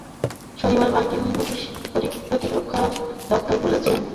শনিবার মার্কিন প্রতিরক্ষা দপ্তর বলেছে, তাদের সামরিক অবস্থান আগের মতোই রয়েছে।